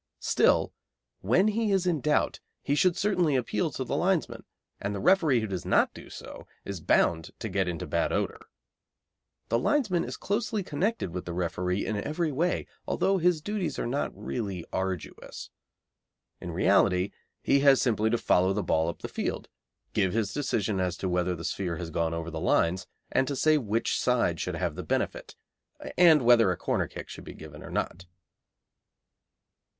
Still, when he is in doubt he should certainly appeal to the linesmen, and the referee who does not do so is bound to get into bad odour. The linesman is closely connected with the referee in every way, although his duties are not really arduous. In reality, he has simply to follow the ball up the field, give his decision as to whether the sphere has gone over the lines, and to say which side should have the benefit, and whether a corner kick should be given or not.